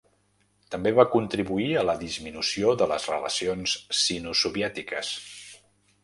També va contribuir a la disminució de les relacions sino-soviètiques.